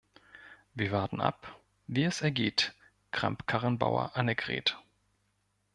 Wir warten ab, wie es ergeht Kramp-Karrenbauer Annegret.